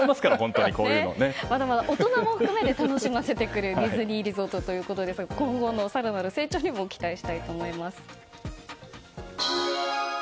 まだまだ大人も含めて楽しませてくれるディズニーリゾートということですが今後の更なる成長にも期待したいと思います。